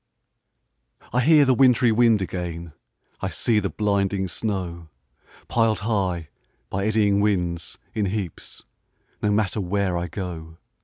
I hear the wintry wind again, I see the blinding snow, Pil'd high, by eddying winds, in heaps, No matter where I go.